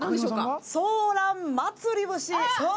「ソーラン祭り節」。